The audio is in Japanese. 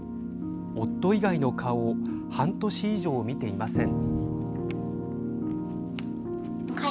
夫以外の顔を半年以上、見ていません。